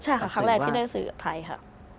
ใช่ค่ะครั้งแรกที่ได้สื่อไทยค่ะ